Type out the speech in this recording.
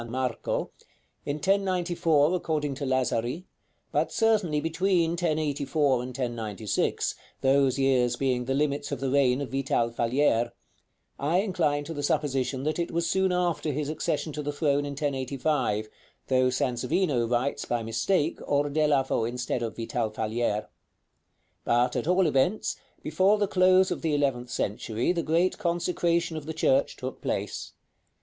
Marco," in 1094 according to Lazari, but certainly between 1084 and 1096, those years being the limits of the reign of Vital Falier; I incline to the supposition that it was soon after his accession to the throne in 1085, though Sansovino writes, by mistake, Ordelafo instead of Vital Falier. But, at all events, before the close of the eleventh century the great consecration of the church took place.